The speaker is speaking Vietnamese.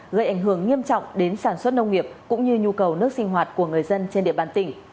gây ảnh hưởng nghiêm trọng đến sản xuất nông nghiệp cũng như nhu cầu nước sinh hoạt của người dân trên địa bàn tỉnh